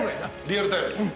リアルタイムっす。